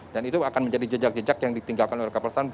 dan itu akan menjadi jejak jejak yang ditinggalkan oleh kapal selam